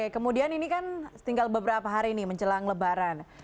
kemudian ini kan tinggal beberapa hari nih menjelang lebaran